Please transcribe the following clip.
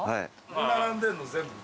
並んでんの全部。